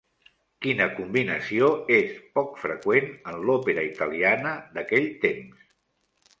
Quina combinació és poc freqüent en l'òpera italiana d'aquells temps?